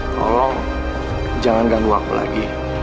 tolong jangan ganggu aku lagi